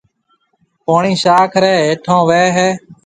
پوڻِي شاخ ريَ هيَٺون وهيَ هيَ۔